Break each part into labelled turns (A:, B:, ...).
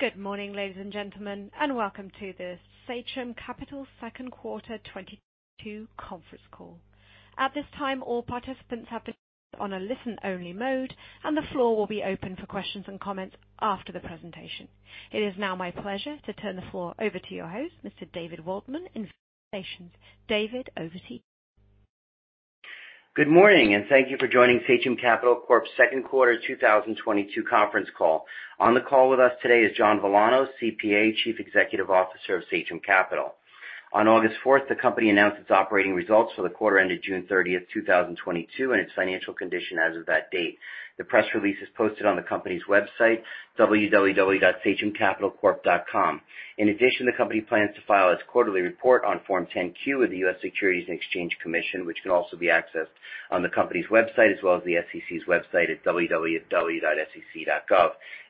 A: Good morning, ladies and gentlemen, and welcome to the Sachem Capital second quarter 2022 conference call. At this time, all participants have been placed on a listen-only mode, and the floor will be open for questions and comments after the presentation. It is now my pleasure to turn the floor over to your host, Mr. David Waldman, Investor Relations. David, over to you.
B: Good morning, and thank you for joining Sachem Capital Corp's second quarter 2022 conference call. On the call with us today is John Villano, CPA, Chief Executive Officer of Sachem Capital. On August 4, the company announced its operating results for the quarter ended June 30, 2022 and its financial condition as of that date. The press release is posted on the company's website, www.sachemcapitalcorp.com. In addition, the company plans to file its quarterly report on Form 10-Q with the U.S. Securities and Exchange Commission, which can also be accessed on the company's website as well as the SEC's website at www.sec.gov.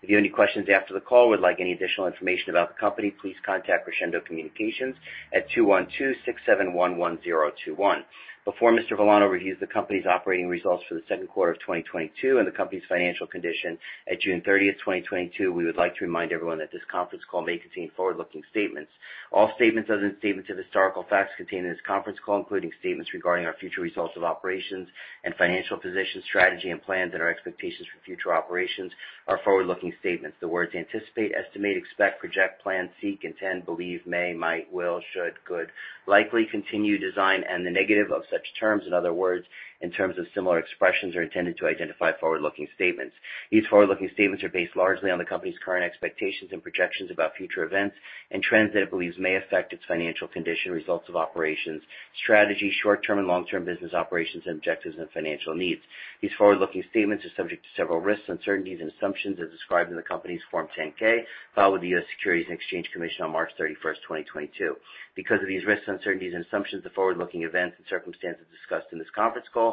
B: If you have any questions after the call or would like any additional information about the company, please contact Crescendo Communications at 212-671-1021. Before Mr. Villano reviews the company's operating results for the second quarter of 2022 and the company's financial condition at June 30, 2022. We would like to remind everyone that this conference call may contain forward-looking statements. All statements other than statements of historical facts contained in this conference call, including statements regarding our future results of operations and financial position, strategy and plans, and our expectations for future operations are forward-looking statements. The words anticipate, estimate, expect, project, plan, seek, intend, believe, may, might, will, should, could, likely continue, design and the negative of such terms. In other words, in terms of similar expressions, are intended to identify forward-looking statements. These forward-looking statements are based largely on the company's current expectations and projections about future events and trends that it believes may affect its financial condition, results of operations, strategy, short-term and long-term business operations, and objectives and financial needs. These forward-looking statements are subject to several risks, uncertainties and assumptions as described in the company's Form 10-K filed with the U.S. Securities and Exchange Commission on March 31, 2022. Because of these risks and uncertainties and assumptions of forward-looking events and circumstances discussed in this conference call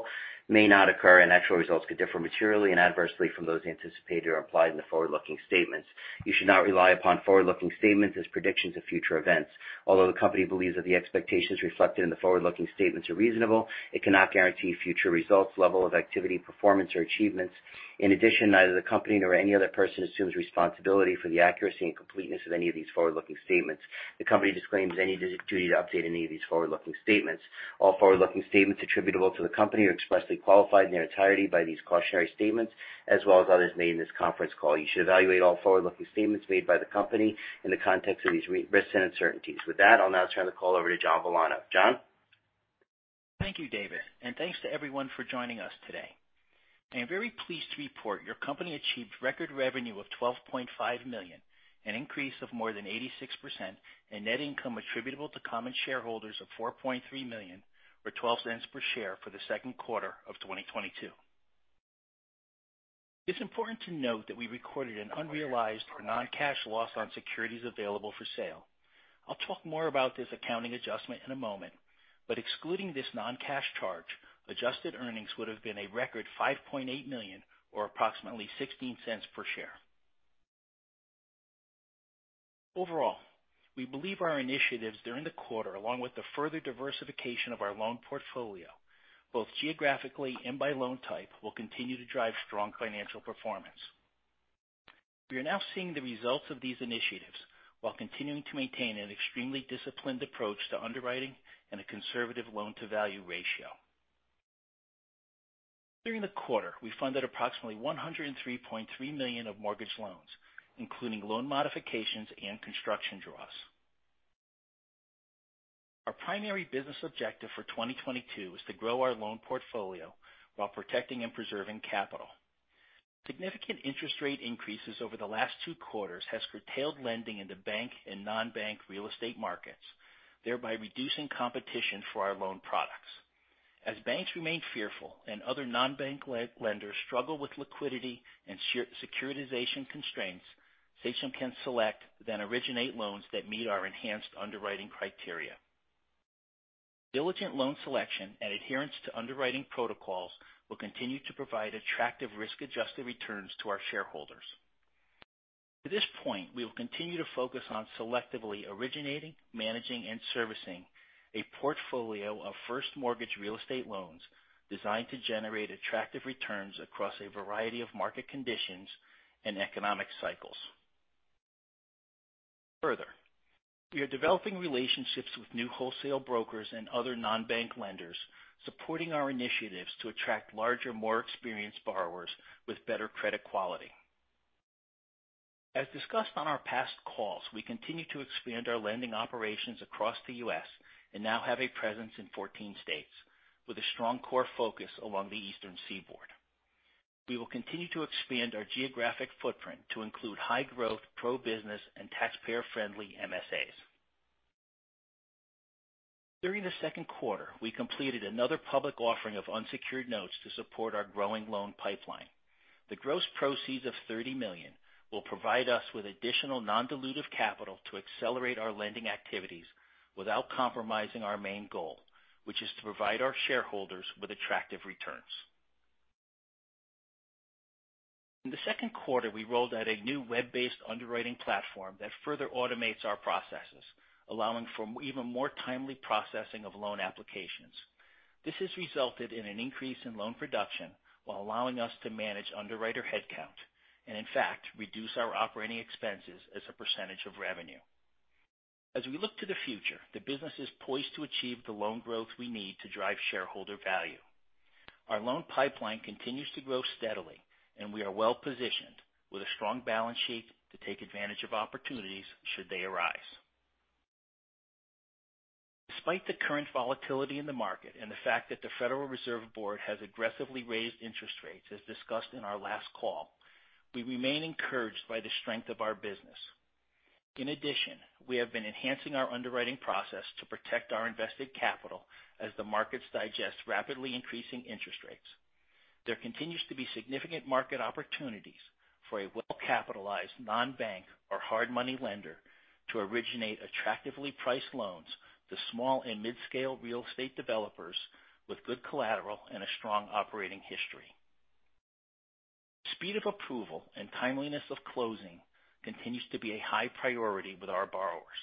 B: may not occur, and actual results could differ materially and adversely from those anticipated or implied in the forward-looking statements. You should not rely upon forward-looking statements as predictions of future events. Although the company believes that the expectations reflected in the forward-looking statements are reasonable, it cannot guarantee future results, level of activity, performance or achievements. In addition, neither the company nor any other person assumes responsibility for the accuracy and completeness of any of these forward-looking statements. The company disclaims any duty to update any of these forward-looking statements. All forward-looking statements attributable to the company are expressly qualified in their entirety by these cautionary statements as well as others made in this conference call. You should evaluate all forward-looking statements made by the company in the context of these risks and uncertainties. With that, I'll now turn the call over to John L. Villano. John.
C: Thank you, David, and thanks to everyone for joining us today. I am very pleased to report your company achieved record revenue of $12.5 million, an increase of more than 86%, and net income attributable to common shareholders of $4.3 million or $0.12 per share for the second quarter of 2022. It's important to note that we recorded an unrealized non-cash loss on securities available for sale. I'll talk more about this accounting adjustment in a moment. Excluding this non-cash charge, adjusted earnings would have been a record $5.8 million or approximately $0.16 per share. Overall, we believe our initiatives during the quarter, along with the further diversification of our loan portfolio, both geographically and by loan type, will continue to drive strong financial performance. We are now seeing the results of these initiatives while continuing to maintain an extremely disciplined approach to underwriting and a conservative loan-to-value ratio. During the quarter, we funded approximately $103.3 million of mortgage loans, including loan modifications and construction draws. Our primary business objective for 2022 is to grow our loan portfolio while protecting and preserving capital. Significant interest rate increases over the last two quarters has curtailed lending in the bank and non-bank real estate markets, thereby reducing competition for our loan products. As banks remain fearful and other non-bank lenders struggle with liquidity and securitization constraints, Sachem can select then originate loans that meet our enhanced underwriting criteria. Diligent loan selection and adherence to underwriting protocols will continue to provide attractive risk-adjusted returns to our shareholders. To this point, we will continue to focus on selectively originating, managing, and servicing a portfolio of first mortgage real estate loans designed to generate attractive returns across a variety of market conditions and economic cycles. Further, we are developing relationships with new wholesale brokers and other non-bank lenders, supporting our initiatives to attract larger, more experienced borrowers with better credit quality. As discussed on our past calls, we continue to expand our lending operations across the U.S. and now have a presence in 14 states with a strong core focus along the Eastern Seaboard. We will continue to expand our geographic footprint to include high growth, pro-business and taxpayer-friendly MSAs. During the second quarter, we completed another public offering of unsecured notes to support our growing loan pipeline. The gross proceeds of $30 million will provide us with additional non-dilutive capital to accelerate our lending activities without compromising our main goal, which is to provide our shareholders with attractive returns. In the second quarter, we rolled out a new web-based underwriting platform that further automates our processes, allowing for even more timely processing of loan applications. This has resulted in an increase in loan production while allowing us to manage underwriter headcount and in fact reduce our operating expenses as a percentage of revenue. As we look to the future, the business is poised to achieve the loan growth we need to drive shareholder value. Our loan pipeline continues to grow steadily, and we are well positioned with a strong balance sheet to take advantage of opportunities should they arise. Despite the current volatility in the market and the fact that the Federal Reserve Board has aggressively raised interest rates, as discussed in our last call, we remain encouraged by the strength of our business. In addition, we have been enhancing our underwriting process to protect our invested capital as the markets digest rapidly increasing interest rates. There continues to be significant market opportunities for a well-capitalized non-bank or hard money lender to originate attractively priced loans to small and mid-scale real estate developers with good collateral and a strong operating history. Speed of approval and timeliness of closing continues to be a high priority with our borrowers.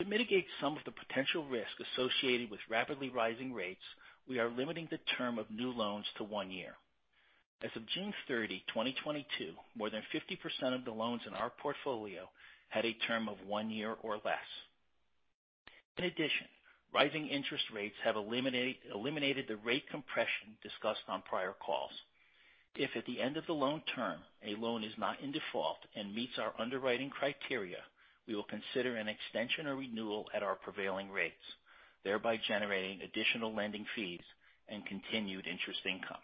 C: To mitigate some of the potential risk associated with rapidly rising rates, we are limiting the term of new loans to one year. As of June 30, 2022 more than 50% of the loans in our portfolio had a term of one year or less. In addition, rising interest rates have eliminated the rate compression discussed on prior calls. If at the end of the loan term, a loan is not in default and meets our underwriting criteria, we will consider an extension or renewal at our prevailing rates, thereby generating additional lending fees and continued interest income.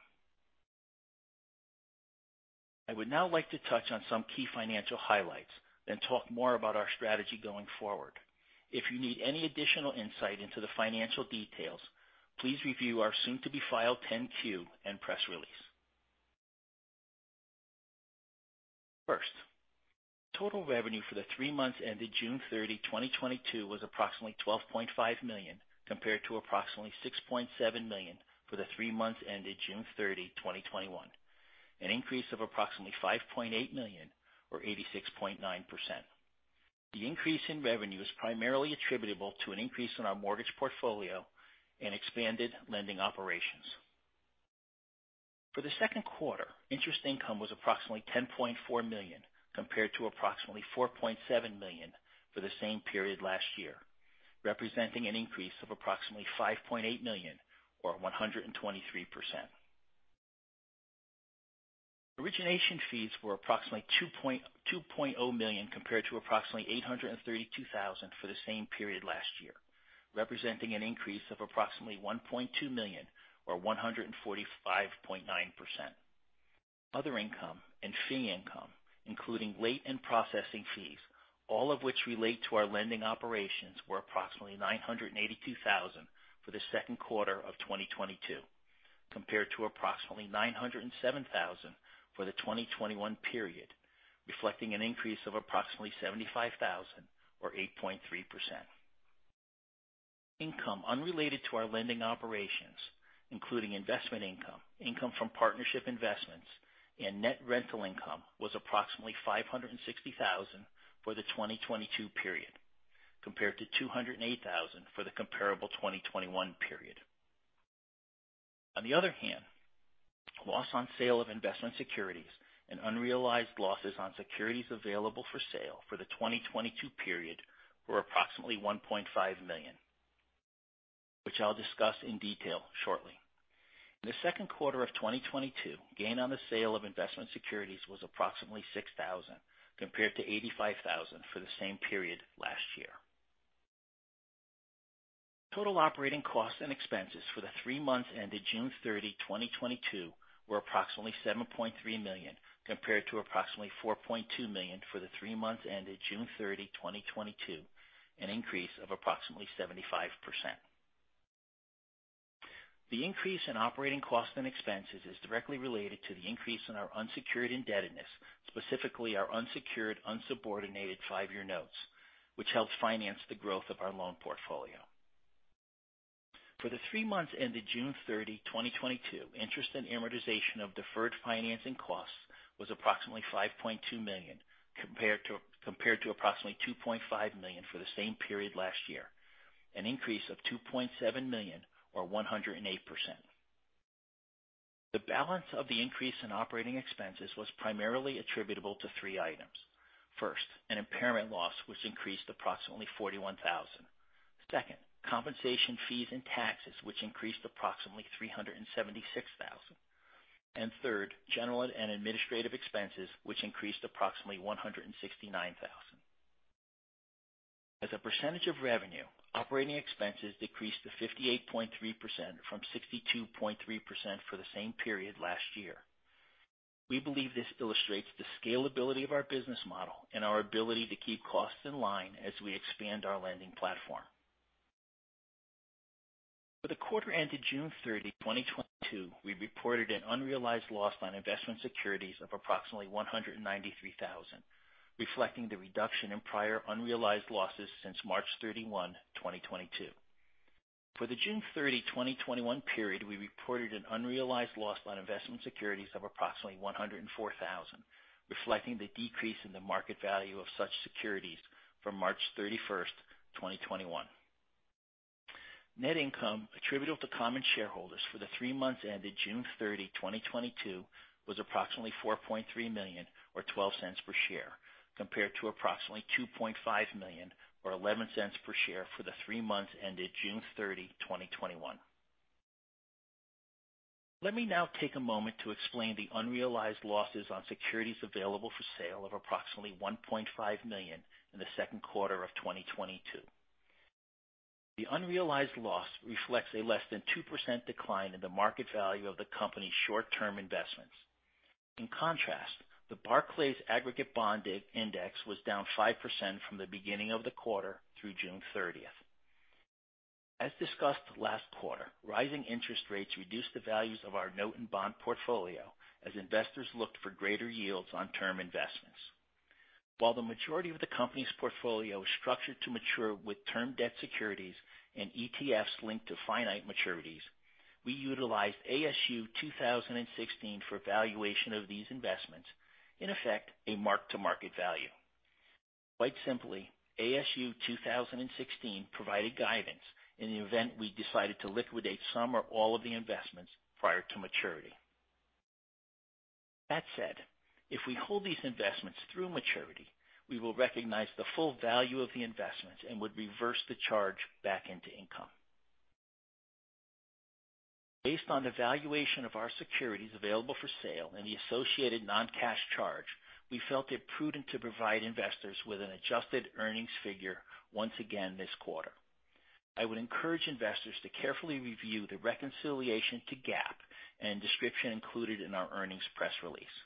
C: I would now like to touch on some key financial highlights, then talk more about our strategy going forward. If you need any additional insight into the financial details, please review our soon-to-be-filed 10-Q and press release. First, total revenue for the three months ended June 30, 2022 was approximately $12.5 million, compared to approximately $6.7 million for the three months ended June 30, 2021 an increase of approximately $5.8 million or 86.9%. The increase in revenue is primarily attributable to an increase in our mortgage portfolio and expanded lending operations. For the second quarter, interest income was approximately $10.4 million, compared to approximately $4.7 million for the same period last year, representing an increase of approximately $5.8 million or 123%. Origination fees were approximately $2.0 million compared to approximately $832,000 for the same period last year, representing an increase of approximately $1.2 million or 145.9%. Other income and fee income, including late and processing fees, all of which relate to our lending operations, were approximately $982,000 for the second quarter of 2022, compared to approximately $907,000 for the 2021 period, reflecting an increase of approximately $75,000 or 8.3%. Income unrelated to our lending operations, including investment income from partnership investments, and net rental income, was approximately $560,000 for the 2022 period, compared to $208,000 for the comparable 2021 period. On the other hand, loss on sale of investment securities and unrealized losses on securities available for sale for the 2022 period were approximately $1.5 million, which I'll discuss in detail shortly. In the second quarter of 2022, gain on the sale of investment securities was approximately $6,000 compared to $85,000 for the same period last year. Total operating costs and expenses for the three months ended June 30, 2022 were approximately $7.3 million, compared to approximately $4.2 million for the three months ended June 30, 2021 an increase of approximately 75%. The increase in operating costs and expenses is directly related to the increase in our unsecured indebtedness, specifically our unsecured, unsubordinated five-year notes, which helps finance the growth of our loan portfolio. For the three months ended June 30, 2022 interest and amortization of deferred financing costs was approximately $5.2 million compared to approximately $2.5 million for the same period last year, an increase of $2.7 million or 108%. The balance of the increase in operating expenses was primarily attributable to three items. First, an impairment loss which increased approximately $41,000. Second, compensation fees and taxes, which increased approximately $376,000. Third, general and administrative expenses, which increased approximately $169,000. As a percentage of revenue, operating expenses decreased to 58.3% from 62.3% for the same period last year. We believe this illustrates the scalability of our business model and our ability to keep costs in line as we expand our lending platform. For the quarter ended June 30, 2022 we reported an unrealized loss on investment securities of approximately $193,000, reflecting the reduction in prior unrealized losses since March 31, 2022. For the June 30, 2021 period, we reported an unrealized loss on investment securities of approximately $104,000, reflecting the decrease in the market value of such securities from March 31, 2021. Net income attributable to common shareholders for the three months ended June 30, 2022 was approximately $4.3 million or $0.12 per share, compared to approximately $2.5 million or $0.11 per share for the three months ended June 30, 2021. Let me now take a moment to explain the unrealized losses on securities available for sale of approximately $1.5 million in the second quarter of 2022. The unrealized loss reflects a less than 2% decline in the market value of the company's short-term investments. In contrast, the Barclays Aggregate Bond Index was down 5% from the beginning of the quarter through June thirtieth. As discussed last quarter, rising interest rates reduced the values of our note and bond portfolio as investors looked for greater yields on term investments. While the majority of the company's portfolio is structured to mature with term debt securities and ETFs linked to finite maturities, we utilized ASU 2016 for valuation of these investments, in effect, a mark-to-market value. Quite simply, ASU 2016 provided guidance in the event we decided to liquidate some or all of the investments prior to maturity. That said, if we hold these investments through maturity, we will recognize the full value of the investment and would reverse the charge back into income. Based on the valuation of our securities available for sale and the associated non-cash charge, we felt it prudent to provide investors with an adjusted earnings figure once again this quarter. I would encourage investors to carefully review the reconciliation to GAAP and description included in our earnings press release.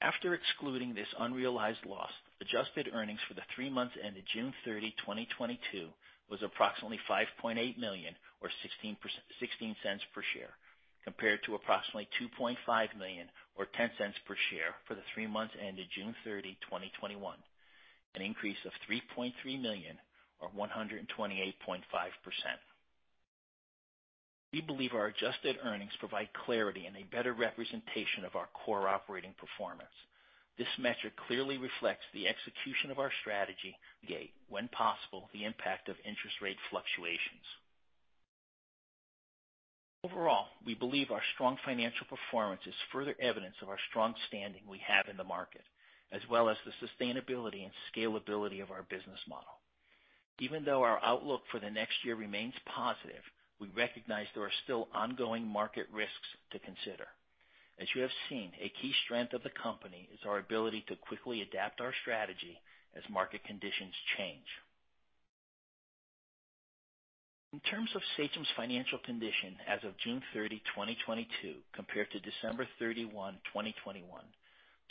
C: After excluding this unrealized loss, adjusted earnings for the three months ended June 30, 2022 was approximately $5.8 million or $0.16 per share, compared to approximately $2.5 million or $0.10 per share for the three months ended June 30, 2021 an increase of $3.3 million or 128.5%. We believe our adjusted earnings provide clarity and a better representation of our core operating performance. This metric clearly reflects the execution of our strategy to mitigate when possible, the impact of interest rate fluctuations. Overall, we believe our strong financial performance is further evidence of our strong standing we have in the market, as well as the sustainability and scalability of our business model. Even though our outlook for the next year remains positive, we recognize there are still ongoing market risks to consider. As you have seen, a key strength of the company is our ability to quickly adapt our strategy as market conditions change. In terms of Sachem's financial condition as of June 30, 2022 compared to December 31, 2021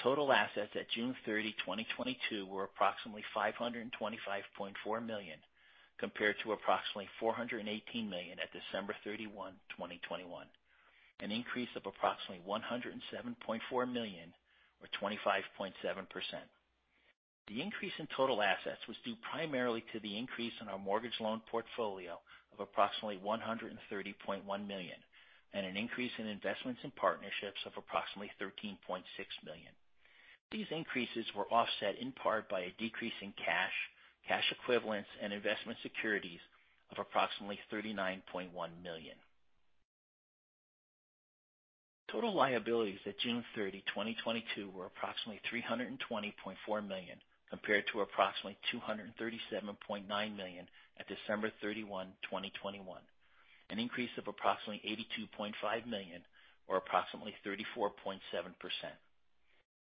C: total assets at June 30, 2022 were approximately $525.4 million, compared to approximately $418 million at December 31, 2021 an increase of approximately $107.4 million or 25.7%. The increase in total assets was due primarily to the increase in our mortgage loan portfolio of approximately $130.1 million and an increase in investments in partnerships of approximately $13.6 million. These increases were offset in part by a decrease in cash equivalents and investment securities of approximately $39.1 million. Total liabilities at June 30, 2022 were approximately $320.4 million, compared to approximately $237.9 million at December 31, 2021 an increase of approximately $82.5 million or approximately 34.7%.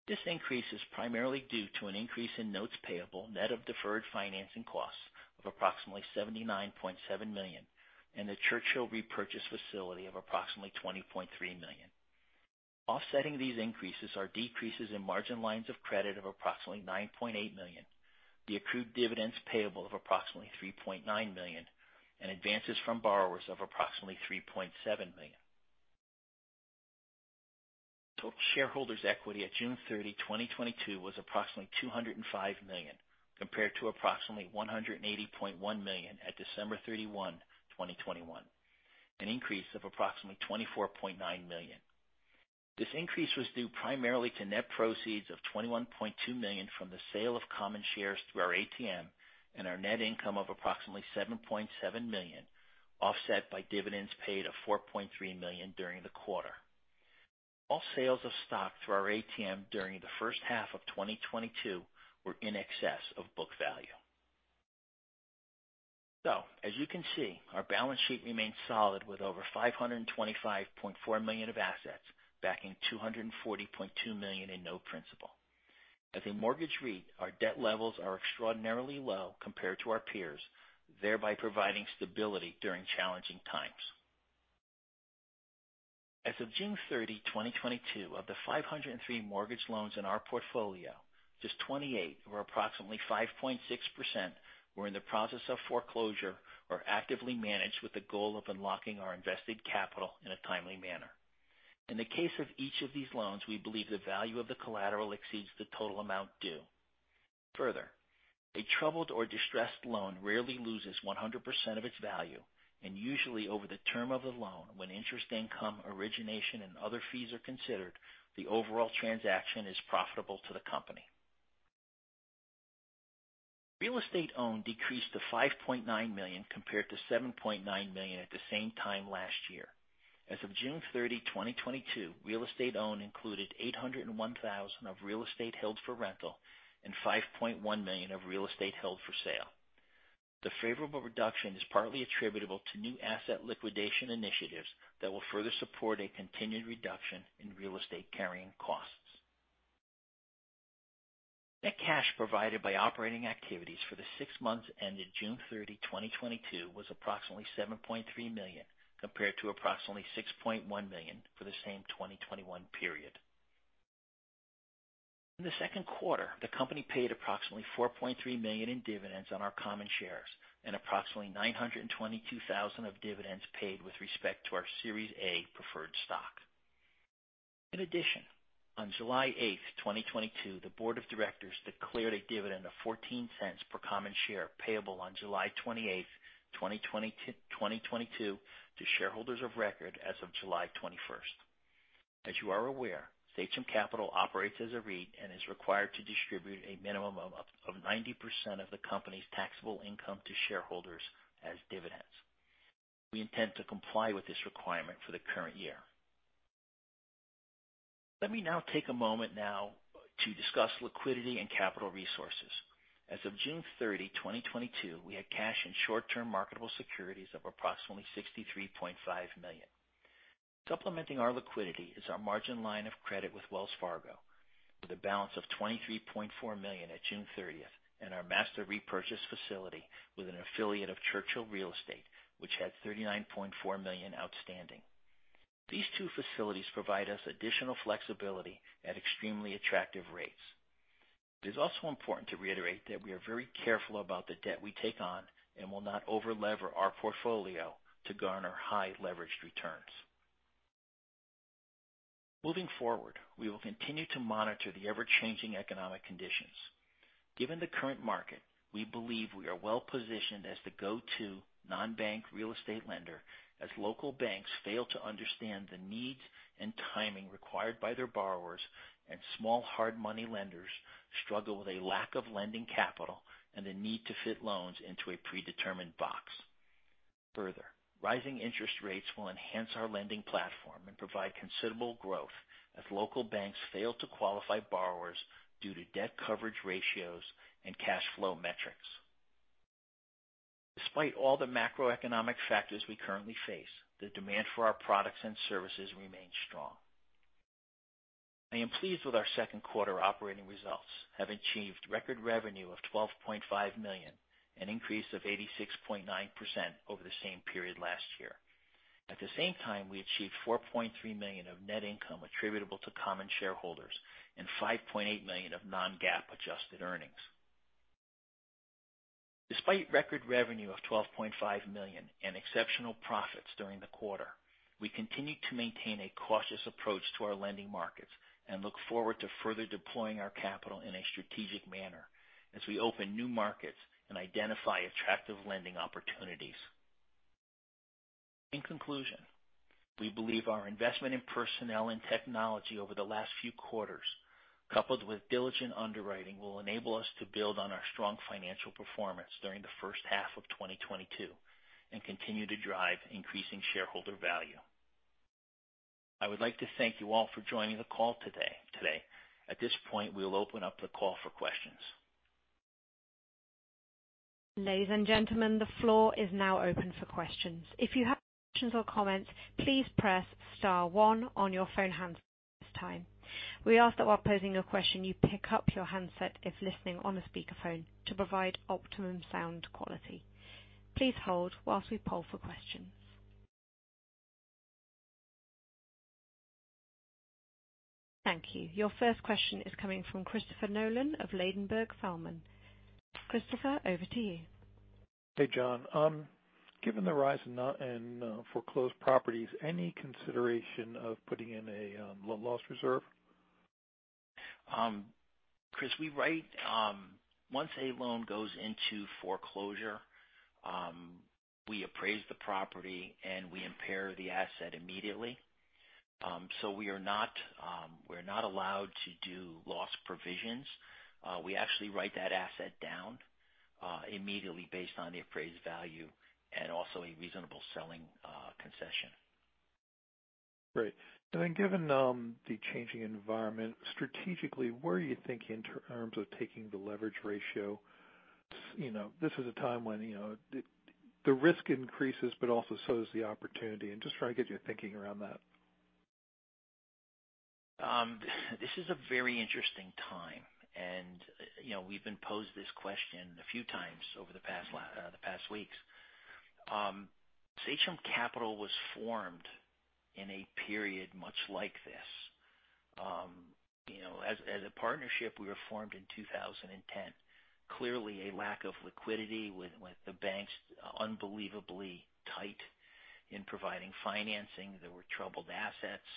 C: This increase is primarily due to an increase in notes payable, net of deferred financing costs of approximately $79.7 million, and the Churchill repurchase facility of approximately $20.3 million. Offsetting these increases are decreases in margin lines of credit of approximately $9.8 million, the accrued dividends payable of approximately $3.9 million, and advances from borrowers of approximately $3.7 million. Total shareholders' equity at June 30, 2022 was approximately $205 million, compared to approximately $180.1 million at December 31, 2021 an increase of approximately $24.9 million. This increase was due primarily to net proceeds of $21.2 million from the sale of common shares through our ATM and our net income of approximately $7.7 million, offset by dividends paid of $4.3 million during the quarter. All sales of stock through our ATM during the first half of 2022 were in excess of book value. As you can see, our balance sheet remains solid with over $525.4 million of assets backing $240.2 million in note principal. As a mortgage REIT, our debt levels are extraordinarily low compared to our peers, thereby providing stability during challenging times. As of June 30, 2022 of the 503 mortgage loans in our portfolio, just 28 or approximately 5.6% were in the process of foreclosure or actively managed with the goal of unlocking our invested capital in a timely manner. In the case of each of these loans, we believe the value of the collateral exceeds the total amount due. Further, a troubled or distressed loan rarely loses 100% of its value, and usually over the term of the loan, when interest income, origination, and other fees are considered, the overall transaction is profitable to the company. Real estate owned decreased to $5.9 million compared to $7.9 million at the same time last year. As of June 30, 2022 real estate owned included $801,000 of real estate held for rental and $5.1 million of real estate held for sale. The favorable reduction is partly attributable to new asset liquidation initiatives that will further support a continued reduction in real estate carrying costs. Net cash provided by operating activities for the six months ended June 30, 2022 was approximately $7.3 million, compared to approximately $6.1 million for the same 2021 period. In the second quarter, the company paid approximately $4.3 million in dividends on our common shares and approximately $922,000 of dividends paid with respect to our Series A preferred stock. In addition, on July 18, 2022 the board of directors declared a dividend of $0.14 per common share payable on July 28, 2022 to shareholders of record as of July 21. As you are aware, Sachem Capital operates as a REIT and is required to distribute a minimum of 90% of the company's taxable income to shareholders as dividends. We intend to comply with this requirement for the current year. Let me now take a moment now to discuss liquidity and capital resources. As of June 30, 2022 we had cash and short-term marketable securities of approximately $63.5 million. Supplementing our liquidity is our margin line of credit with Wells Fargo with a balance of $23.4 million at June 30th and our master repurchase facility with an affiliate of Churchill Real Estate, which had $39.4 million outstanding. These two facilities provide us additional flexibility at extremely attractive rates. It is also important to reiterate that we are very careful about the debt we take on and will not overleverage our portfolio to garner highly leveraged returns. Moving forward, we will continue to monitor the ever-changing economic conditions. Given the current market, we believe we are well positioned as the go-to non-bank real estate lender as local banks fail to understand the needs and timing required by their borrowers, and small hard money lenders struggle with a lack of lending capital and a need to fit loans into a predetermined box. Further, rising interest rates will enhance our lending platform and provide considerable growth as local banks fail to qualify borrowers due to debt coverage ratios and cash flow metrics. Despite all the macroeconomic factors we currently face, the demand for our products and services remains strong. I am pleased with our second quarter operating results we have achieved record revenue of $12.5 million, an increase of 86.9% over the same period last year. At the same time, we achieved $4.3 million of net income attributable to common shareholders and $5.8 million of non-GAAP adjusted earnings. Despite record revenue of $12.5 million and exceptional profits during the quarter, we continue to maintain a cautious approach to our lending markets and look forward to further deploying our capital in a strategic manner as we open new markets and identify attractive lending opportunities. In conclusion, we believe our investment in personnel and technology over the last few quarters, coupled with diligent underwriting, will enable us to build on our strong financial performance during the first half of 2022 and continue to drive increasing shareholder value. I would like to thank you all for joining the call today. At this point, we will open up the call for questions.
A: Ladies and gentlemen, the floor is now open for questions. If you have questions or comments, please press star one on your phone handset at this time. We ask that while posing a question, you pick up your handset if listening on a speakerphone to provide optimum sound quality. Please hold while we poll for questions. Thank you. Your first question is coming from Christopher Nolan of Ladenburg Thalmann. Christopher, over to you.
D: Hey, John. Given the rise in foreclosed properties, any consideration of putting in a loan loss reserve?
C: Chris, we write once a loan goes into foreclosure, we appraise the property and we impair the asset immediately. We're not allowed to do loss provisions. We actually write that asset down immediately based on the appraised value and also a reasonable selling concession.
D: Great. Given the changing environment strategically, where are you thinking in terms of taking the leverage ratio? You know, this is a time when, you know, the risk increases, but also so does the opportunity, and just trying to get your thinking around that.
C: This is a very interesting time. You know, we've been posed this question a few times over the past weeks. Sachem Capital was formed in a period much like you know, as a partnership, we were formed in 2010. Clearly a lack of liquidity with the banks unbelievably tight in providing financing. There were troubled assets.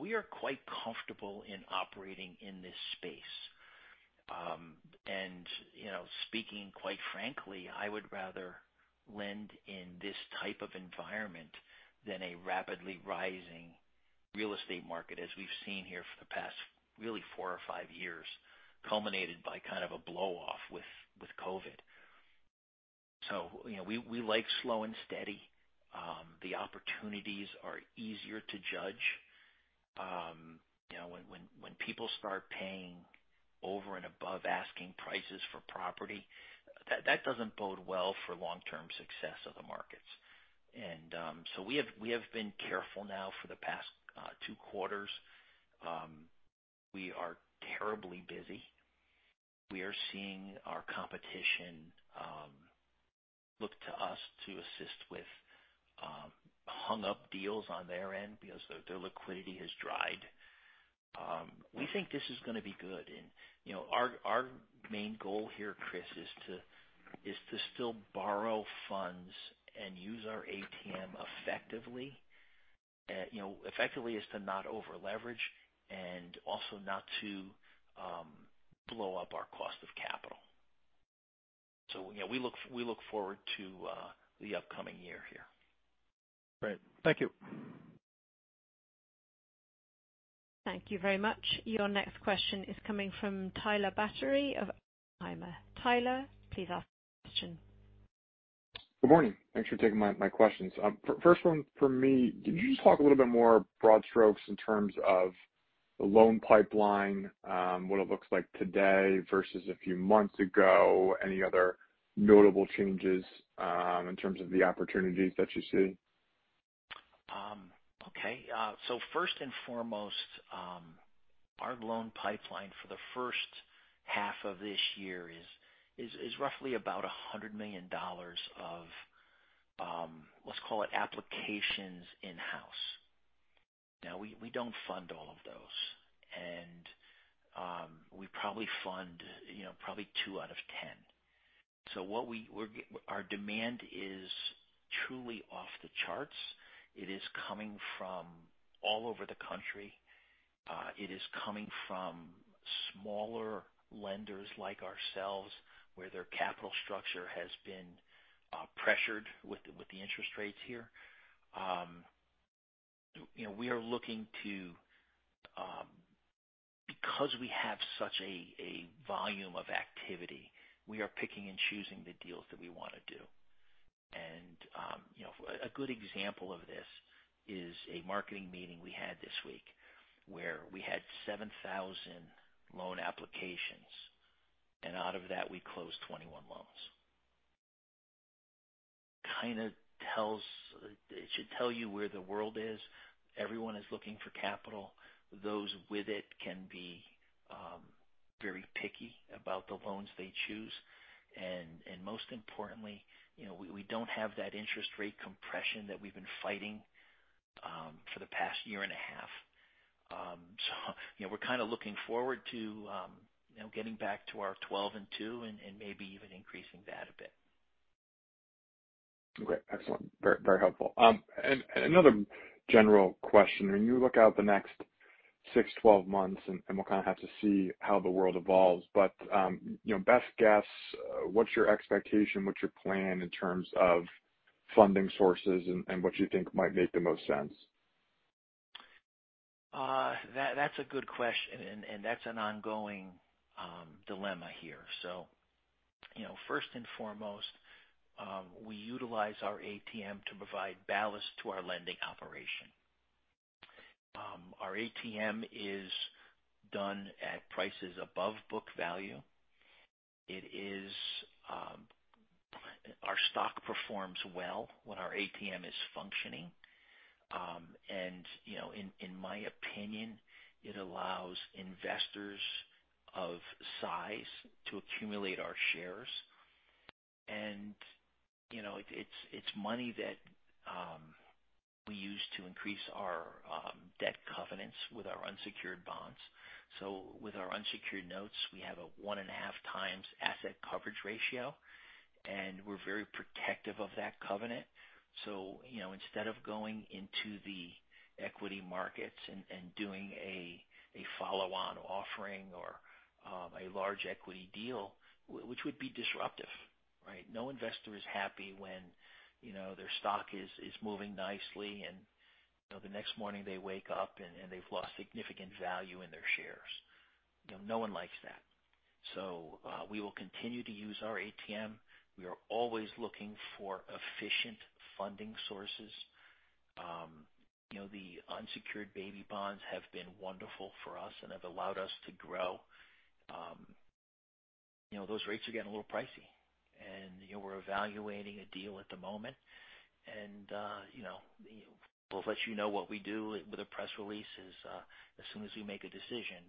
C: We are quite comfortable in operating in this space. You know, speaking quite frankly, I would rather lend in this type of environment than a rapidly rising real estate market as we've seen here for the past, really four or five years, culminated by kind of a blow-off with COVID. You know, we like slow and steady. The opportunities are easier to judge. You know, when people start paying over and above asking prices for property, that doesn't bode well for long-term success of the markets. We have been careful now for the past two quarters. We are terribly busy. We are seeing our competition look to us to assist with hung up deals on their end because their liquidity has dried. We think this is gonna be good. You know, our main goal here, Chris, is to still borrow funds and use our ATM effectively. You know, effectively is to not over-leverage and also not to blow up our cost of capital. You know, we look forward to the upcoming year here.
D: Great. Thank you.
A: Thank you very much. Your next question is coming from Tyler Batory of Oppenheimer. Tyler, please ask your question.
E: Good morning. Thanks for taking my questions. First one for me, could you just talk a little bit more broad strokes in terms of the loan pipeline, what it looks like today versus a few months ago? Any other notable changes, in terms of the opportunities that you see?
C: Okay. First and foremost, our loan pipeline for the first half of this year is roughly about $100 million of, let's call it applications in-house. Now we don't fund all of those, and we probably fund, you know, probably two out of 10. Our demand is truly off the charts. It is coming from all over the country. It is coming from smaller lenders like ourselves, where their capital structure has been pressured with the interest rates here. You know, we are looking to. Because we have such a volume of activity, we are picking and choosing the deals that we wanna do. You know, a good example of this is a marketing meeting we had this week where we had 7,000 loan applications, and out of that we closed 21 loans. It should tell you where the world is. Everyone is looking for capital. Those with it can be very picky about the loans they choose. Most importantly, you know, we don't have that interest rate compression that we've been fighting for the past year and a half. You know, we're kinda looking forward to getting back to our 12 and two and maybe even increasing that a bit.
E: Okay. Excellent. Very, very helpful. Another general question. When you look out the next six, 12 months, and we'll kinda have to see how the world evolves, but you know, best guess, what's your expectation? What's your plan in terms of funding sources and what you think might make the most sense?
C: That's a good question, and that's an ongoing dilemma here. You know, first and foremost, we utilize our ATM to provide ballast to our lending operation. Our ATM is done at prices above book value. It is. Our stock performs well when our ATM is functioning. You know, in my opinion, it allows investors of size to accumulate our shares. You know, it's money that we use to increase our debt covenants with our unsecured bonds. With our unsecured notes, we have a one and a half times asset coverage ratio, and we're very protective of that covenant. You know, instead of going into the equity markets and doing a follow-on offering or a large equity deal, which would be disruptive, right? No investor is happy when, you know, their stock is moving nicely and, you know, the next morning they wake up and they've lost significant value in their shares. You know, no one likes that. We will continue to use our ATM. We are always looking for efficient funding sources. You know, the unsecured baby bonds have been wonderful for us and have allowed us to grow. You know, those rates are getting a little pricey and, you know, we're evaluating a deal at the moment. We'll let you know what we do with the press releases, as soon as we make a decision.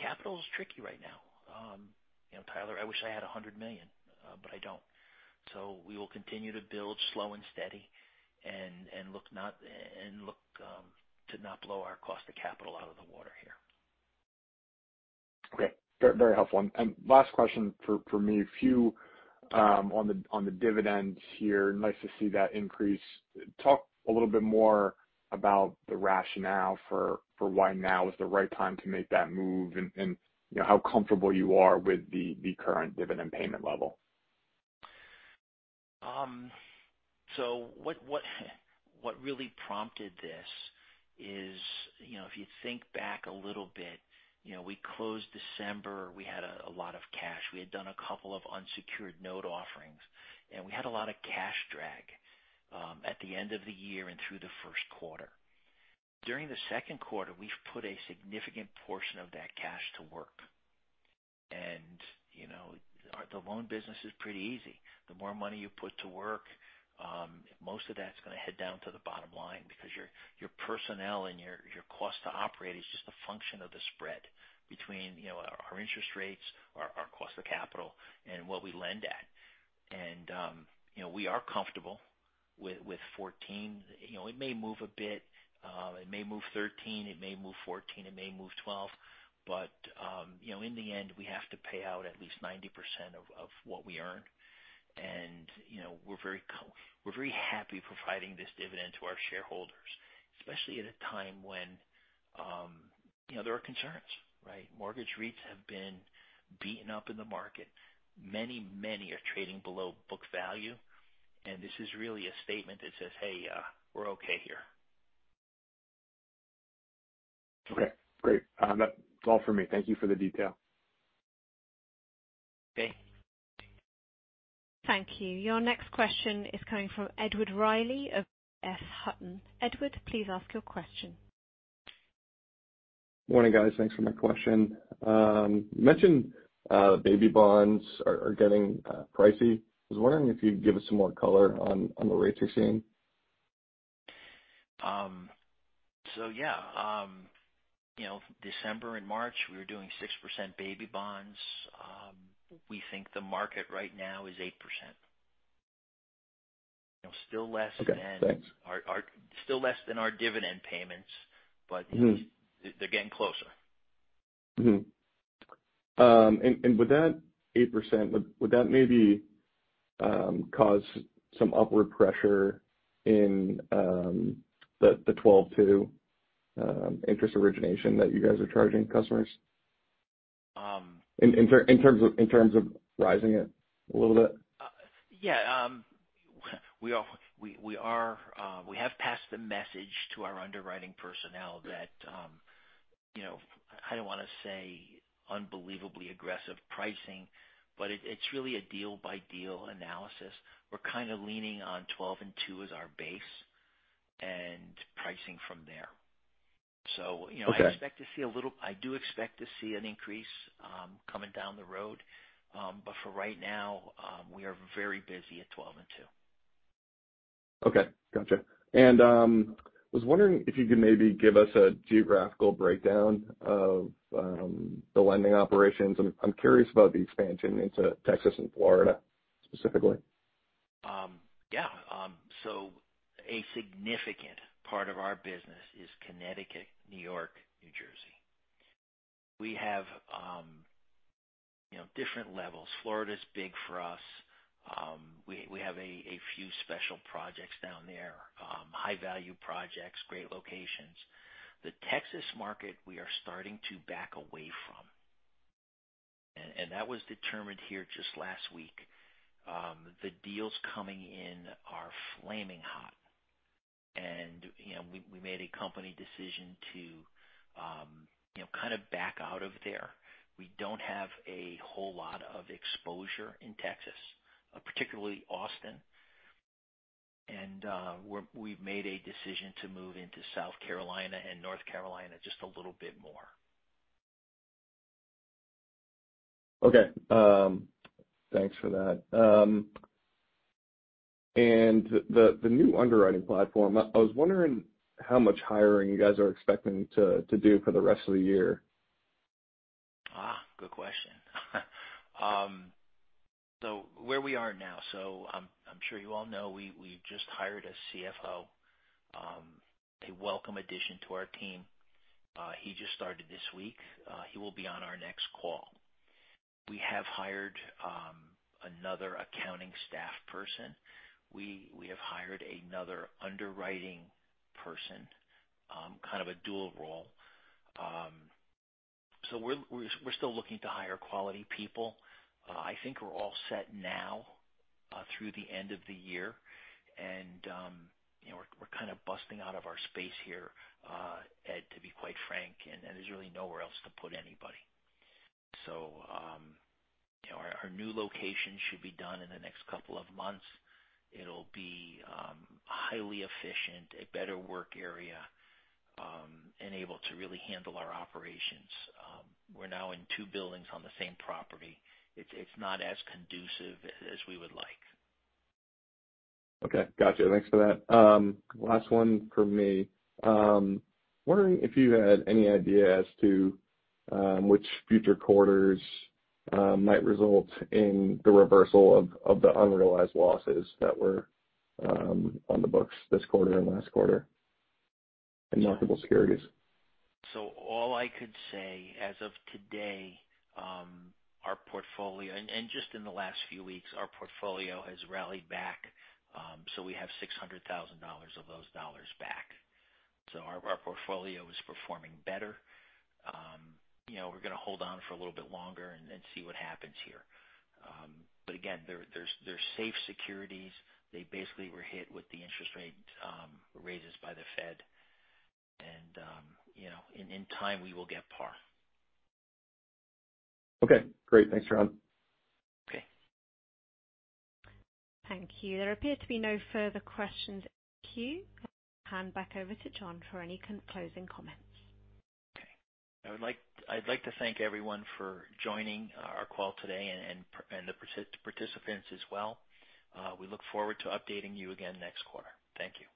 C: Capital is tricky right now. You know, Tyler, I wish I had $100 million, but I don't. We will continue to build slow and steady and look to not blow our cost of capital out of the water here.
E: Okay. Very helpful. Last question for me, a few on the dividends here. Nice to see that increase. Talk a little bit more about the rationale for why now is the right time to make that move, and you know, how comfortable you are with the current dividend payment level.
C: What really prompted this is, you know, if you think back a little bit, you know, we closed December, we had a lot of cash. We had done a couple of unsecured note offerings, and we had a lot of cash drag at the end of the year and through the first quarter. During the second quarter, we've put a significant portion of that cash to work. You know, the loan business is pretty easy. The more money you put to work, most of that's gonna head down to the bottom line because your personnel and your cost to operate is just a function of the spread between, you know, our interest rates, our cost of capital, and what we lend at. You know, we are comfortable with 14. You know, it may move a bit, it may move 13, it may move 14, it may move 12, but, you know, in the end, we have to pay out at least 90% of what we earn. You know, we're very happy providing this dividend to our shareholders, especially at a time when, you know, there are concerns, right? Mortgage REITs have been beaten up in the market. Many are trading below book value. This is really a statement that says, "Hey, we're okay here.
E: Okay, great. That's all for me. Thank you for the detail.
C: Okay.
A: Thank you. Your next question is coming from Edward Riley of EF Hutton. Edward, please ask your question.
F: Morning, guys. Thanks for my question. You mentioned baby bonds are getting pricey. I was wondering if you'd give us some more color on the rates you're seeing.
C: Yeah. You know, December and March, we were doing 6% baby bonds. We think the market right now is 8%. You know, still less than-
F: Okay. Thanks.
C: Still less than our dividend payments.
F: Mm-hmm.
C: They're getting closer.
F: Would that 8% maybe cause some upward pressure in the 12.2 interest origination that you guys are charging customers?
C: Um-
F: In terms of rising it a little bit?
C: We have passed the message to our underwriting personnel that, you know, I don't wanna say unbelievably aggressive pricing, but it's really a deal by deal analysis. We're kinda leaning on 12 and 2 as our base and pricing from there. So, you know.
F: Okay.
C: I do expect to see an increase coming down the road. For right now, we are very busy at 12 and two.
F: Okay. Gotcha. I was wondering if you could maybe give us a geographical breakdown of the lending operations. I'm curious about the expansion into Texas and Florida specifically.
C: A significant part of our business is Connecticut, New York, New Jersey. We have, you know, different levels. Florida's big for us. We have a few special projects down there, high-value projects, great locations. The Texas market, we are starting to back away from. That was determined here just last week. The deals coming in are flaming hot. You know, we made a company decision to, you know, kind of back out of there. We don't have a whole lot of exposure in Texas, particularly Austin. We've made a decision to move into South Carolina and North Carolina just a little bit more.
F: Okay. Thanks for that. The new underwriting platform, I was wondering how much hiring you guys are expecting to do for the rest of the year.
C: Good question. Where we are now, I'm sure you all know, we just hired a CFO, a welcome addition to our team. He just started this week. He will be on our next call. We have hired another accounting staff person. We have hired another underwriting person, kind of a dual role. We're still looking to hire quality people. I think we're all set now, through the end of the year. You know, we're kind of busting out of our space here, Edward, to be quite frank, and there's really nowhere else to put anybody. You know, our new location should be done in the next couple of months. It'll be highly efficient, a better work area, and able to really handle our operations. We're now in two buildings on the same property. It's not as conducive as we would like.
F: Okay. Gotcha. Thanks for that. Last one for me. Wondering if you had any idea as to which future quarters might result in the reversal of the unrealized losses that were on the books this quarter and last quarter in marketable securities?
C: All I could say as of today, our portfolio. Just in the last few weeks, our portfolio has rallied back, so we have $600,000 of those dollars back. Our portfolio is performing better. You know, we're gonna hold on for a little bit longer and see what happens here. Again, they're safe securities. They basically were hit with the interest rate raises by the Fed. You know, in time, we will get par.
F: Okay, great. Thanks, John.
C: Okay.
A: Thank you. There appear to be no further questions in the queue. I'll hand back over to John Villano for any closing comments.
C: Okay. I'd like to thank everyone for joining our call today and the participants as well. We look forward to updating you again next quarter. Thank you.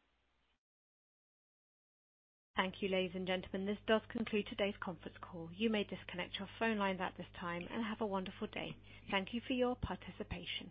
A: Thank you, ladies and gentlemen. This does conclude today's conference call. You may disconnect your phone lines at this time and have a wonderful day. Thank you for your participation.